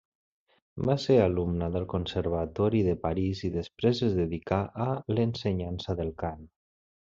Va ser alumne del Conservatori de París i després es dedicà a l'ensenyança del cant.